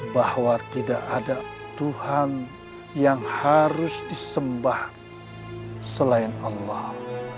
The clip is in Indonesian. bahwa tidak ada tuhan yang harus disembah selain allah